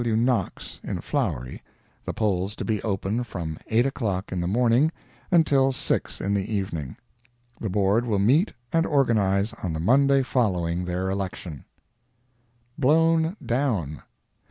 W. Knox, in Flowery, the polls to be open from 8 o'clock in the morning until 6 in the evening. The Board will meet and organize on the Monday following their election. BLOWN DOWN.